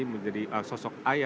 menjadi sosok ayah